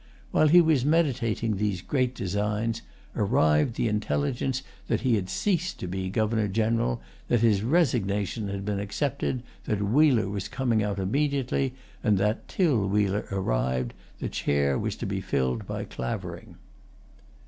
While he was meditating these great designs, arrived the intelligence that he had ceased to be Governor General, that his resignation had been accepted, that Wheler was coming out immediately, and that, till Wheler arrived, the chair was to be filled by Clavering.